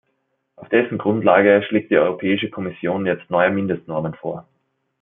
Auf dessen Grundlage schlägt die Europäische Kommission jetzt neue Mindestnormen vor.